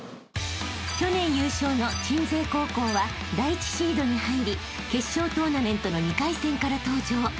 ［去年優勝の鎮西高校は第１シードに入り決勝トーナメントの２回戦から登場］